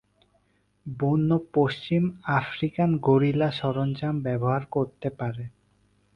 বন্য পশ্চিম African gorilla সরঞ্জাম ব্যবহার করতে পারে।